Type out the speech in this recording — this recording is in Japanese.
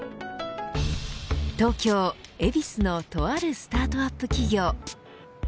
東京、恵比寿のとあるスタートアップ企業。